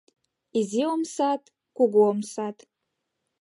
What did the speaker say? Изи омсат, кугу омсат -